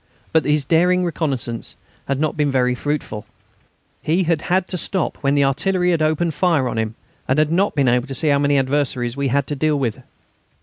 But his daring reconnaissance had not been very fruitful. He had had to stop when the artillery had opened fire on him, and had not been able to see how many adversaries we had to deal with.